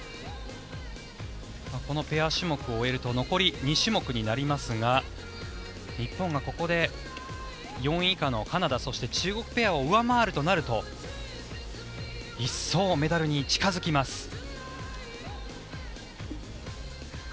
このペア種目を終えると残り２種目になりますが日本がここで４位以下のカナダそして中国ペアを上回るとなると一層メダルに近付きます。